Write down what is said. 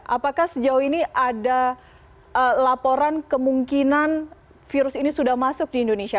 apakah sejauh ini ada laporan kemungkinan virus ini sudah masuk di indonesia